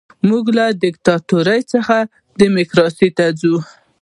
موږ له دیکتاتورۍ څخه ډیموکراسۍ ته ځو.